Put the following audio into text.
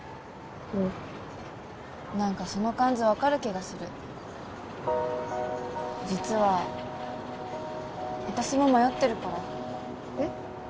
うん何かその感じ分かる気がする実は私も迷ってるからえっ？